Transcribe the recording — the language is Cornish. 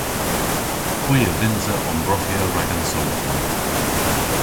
Hwi a vynnsa ombrofya rag an soodh ma.